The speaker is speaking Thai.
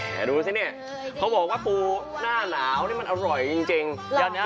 แต่ดูสิเนี่ยเขาบอกว่าปูหน้าหนาวนี่มันอร่อยจริงนะ